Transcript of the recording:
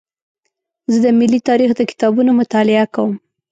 زه د ملي تاریخ د کتابونو مطالعه کوم.